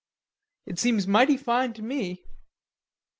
"It seems mighty fine to me."